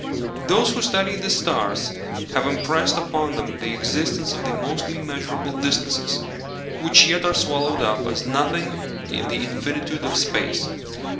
Those who study the stars have impressed upon them the existence of the most immeasurable distances, which yet are swallowed up as nothing in the infinitude of space.